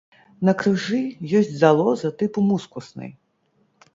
На крыжы ёсць залоза тыпу мускуснай.